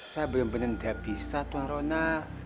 saya benar benar tidak bisa tuan rona